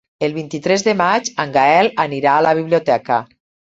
El vint-i-tres de maig en Gaël anirà a la biblioteca.